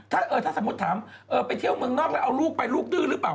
ถ้าสมมุติถามไปเที่ยวเมืองนอกแล้วเอาลูกไปลูกดื้อหรือเปล่า